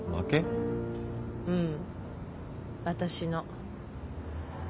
うん私の。